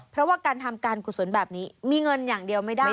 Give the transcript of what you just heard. เพราะว่าการทำการกุศลแบบนี้มีเงินอย่างเดียวไม่ได้